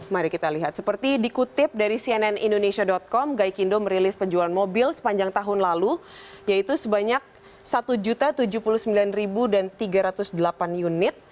mari kita lihat seperti dikutip dari cnn indonesia com gaikindo merilis penjualan mobil sepanjang tahun lalu yaitu sebanyak satu tujuh puluh sembilan dan tiga ratus delapan unit